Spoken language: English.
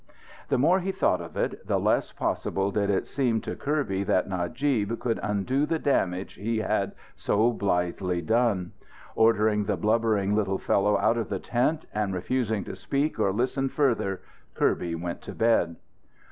The more he thought of it, the less possible did it seem to Kirby that Najib could undo the damage he had so blithely done. Ordering the blubbering little fellow out of the tent and refusing to speak or listen further, Kirby went to bed.